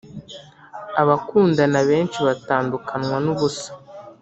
abakundana benshi batandukanywa nu busa